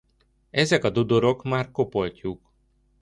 Ezek a dudorok már kopoltyúk.